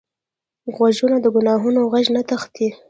غوږونه د ګناهونو غږ نه تښتي